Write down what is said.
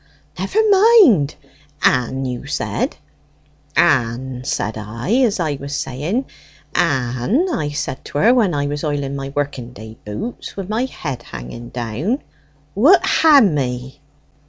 "Never mind! 'Ann,' said you." "'Ann,' said I, as I was saying ... 'Ann,' I said to her when I was oiling my working day boots wi' my head hanging down, 'Woot hae me?'